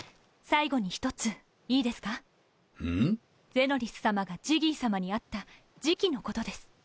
ゼノリスさまがジギーさまに会った時期のことです。